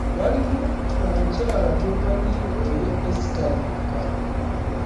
Waliwo omukyala gw'amanyiiko erya Esther lyokka